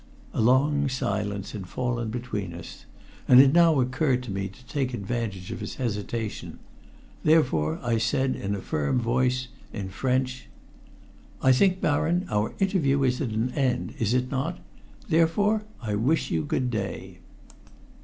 A long silence had fallen between us, and it now occurred to me to take advantage of his hesitation. Therefore I said in a firm voice, in French "I think, Baron, our interview is at an end, is it not? Therefore I wish you good day."